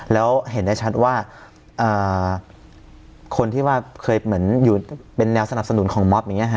แล้วเห็นได้ชัดว่าคนที่เคยเป็นแนวสนับสนุนของม็อค